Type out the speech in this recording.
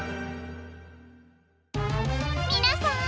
みなさん！